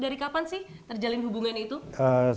dari kapan sih terjalin hubungan itu